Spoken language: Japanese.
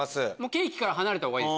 ケーキから離れたほうがいい。